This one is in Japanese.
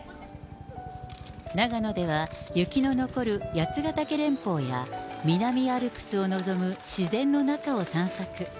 長野では雪の残る八ヶ岳連峰や、南アルプスを望む自然の中を散策。